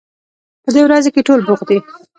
په دې ورځو کې ټول بوخت دي